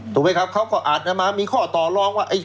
ถูกไหมครับเขาก็อาจจะมามีข้อต่อรองว่า